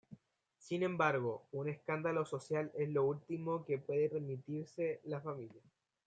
Sin embargo un escándalo social es lo último que puede permitirse la familia.